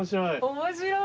面白い。